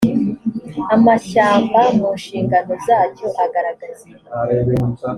amashyamba mu nshingano zacyo agaragaza ibi